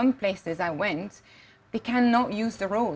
mereka tidak bisa menggunakan jalan